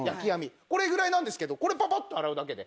これぐらいなんですがこれぱぱっと洗うだけで。